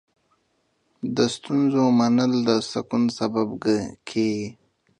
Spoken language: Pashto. د ستونزو منل د سکون سبب کېږي.